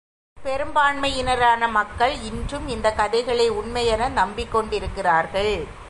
பெரும்பான்மையினரான மக்கள், இன்றும் இந்தக் கதைகளை உண்மையென நம்பிக் கொண்டிருக்கிறார்கள்.